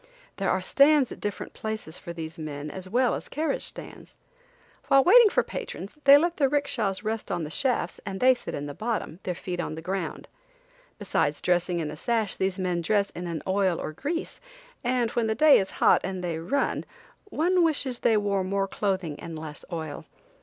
There are stands at different places for these men as well as carriage stands. While waiting for patrons they let their 'rickshas rest on the shafts and they sit in the bottom, their feet on the ground. Besides dressing in a sash these men dress in an oil or grease, and when the day is hot and they run, one wishes they wore more clothing and less oil!